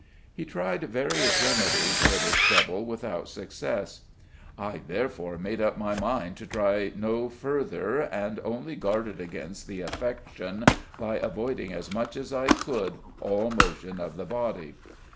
He tried various remedies for this trouble without success. "I therefore made up my mind to try no further, and only guarded against the affection by avoiding as much as I could all motion of the body."